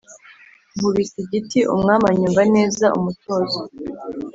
Nkubise igiti umwami anyumva neza-Umutozo.